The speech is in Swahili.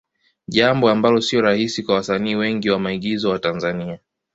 Jambo ambalo sio rahisi kwa wasanii wengi wa maigizo wa Tanzania.